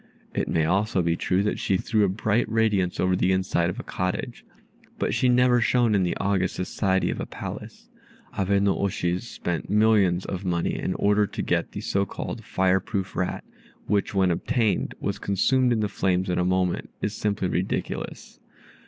It may also be true that she threw a bright radiance over the inside of a cottage, but she never shone in the august society of a palace. Abe no oshi's spending millions of money in order to get the so called fire proof rat, which, when obtained, was consumed in the flames in a moment, is simply ridiculous.